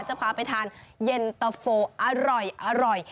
จะพาไปทานเย็นตะโฟอร่อย